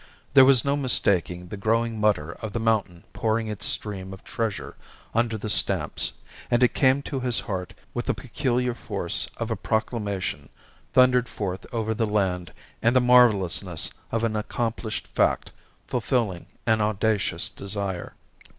There was no mistaking the growling mutter of the mountain pouring its stream of treasure under the stamps; and it came to his heart with the peculiar force of a proclamation thundered forth over the land and the marvellousness of an accomplished fact fulfilling an audacious desire.